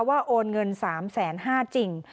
ว่าโอนเงิน๓แสน๕จริง